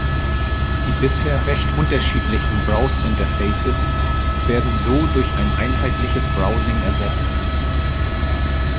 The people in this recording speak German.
Die bisher recht unterschiedlichen Browse-Interfaces werden so durch ein einheitliches Browsing ersetzt.